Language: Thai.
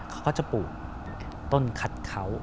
เขาก็จะปลูกต้นคัดเขา